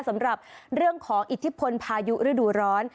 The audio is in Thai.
สำหรับเรื่องของอิทธิพลพายุฤดูร้อน